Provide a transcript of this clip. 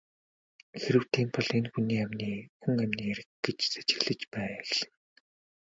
Хэрэв тийм бол энэ хүн амины хэрэг гэж сэжиглэж эхэлнэ.